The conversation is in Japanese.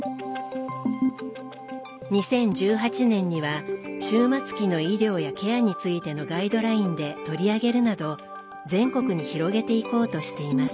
２０１８年には終末期の医療やケアについてのガイドラインで取り上げるなど全国に広げていこうとしています。